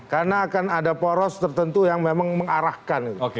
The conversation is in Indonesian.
karena akan ada poros tertentu yang memang mengarahkan